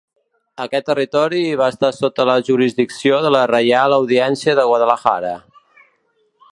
Aquest territori va estar sota la jurisdicció de la Reial Audiència de Guadalajara.